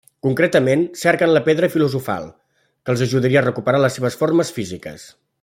Concretament, cerquen la pedra filosofal, que els ajudaria a recuperar les seves formes físiques.